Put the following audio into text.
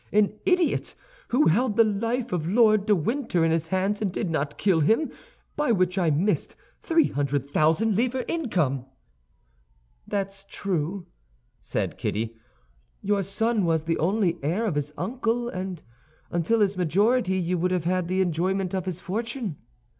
An idiot, who held the life of Lord de Winter in his hands and did not kill him, by which I missed three hundred thousand livres' income." "That's true," said Kitty; "your son was the only heir of his uncle, and until his majority you would have had the enjoyment of his fortune."